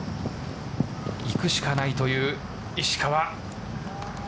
いくしかないという石川。